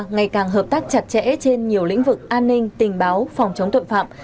ngày càng hợp tác chặt chẽ trên nhiều lĩnh vực an ninh tình báo phòng chống tội phạm